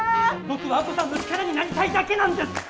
僕は亜子さんの力になりたいだけなんです！